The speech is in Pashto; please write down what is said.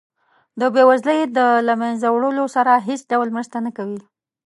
د بیوزلۍ د له مینځه وړلو سره هیڅ ډول مرسته نه کوي.